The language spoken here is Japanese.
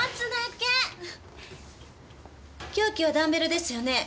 凶器はダンベルですよね？